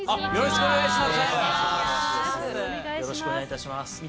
よろしくお願いします。